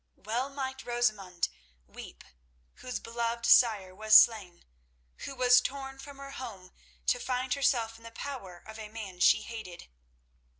Well might Rosamund weep whose beloved sire was slain, who was torn from her home to find herself in the power of a man she hated.